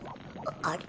あれ？